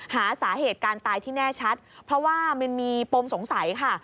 หาสาเหตุการตายที่แน่ชัดเพราะว่ามันมีปมสงสัยค่ะ